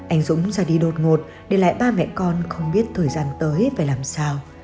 anh dũng ra đi đột ngột để lại ba mẹ con không biết thời gian tới phải làm sao